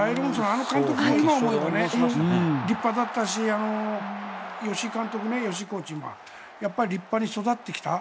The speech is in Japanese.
あの監督も、今思えば立派だったし吉井コーチ、立派に育ってきた。